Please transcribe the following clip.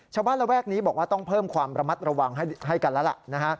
ระแวกนี้บอกว่าต้องเพิ่มความระมัดระวังให้กันแล้วล่ะ